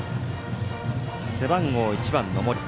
背番号１番の盛田。